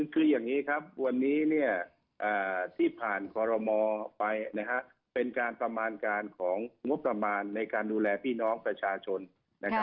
คืออย่างนี้ครับวันนี้ที่ผ่านคอรมอไปเป็นการประมาณการของงบประมาณในการดูแลพี่น้องประชาชนนะครับ